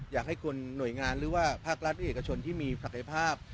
อยากให้คนหน่วยงานหรือว่าภาครัฐและเอกชนที่มีศักยภาพ